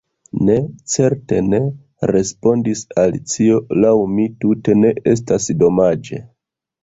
"Ne, certe ne!" respondis Alicio. "Laŭ mi tute ne estas domaĝe. »